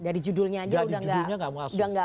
dari judulnya aja udah gak mau